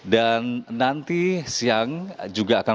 dan nanti siang juga akan mendapatkan